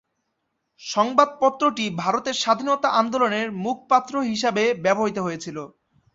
সংবাদপত্রটি ভারতের স্বাধীনতা আন্দোলনের মুখপাত্র হিসাবে ব্যবহৃত হয়েছিল।